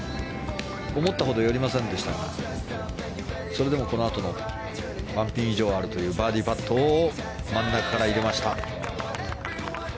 思ったほど寄りませんでしたがそれでもこのあとの１ピン以上あるというバーディーパットを真ん中から入れました。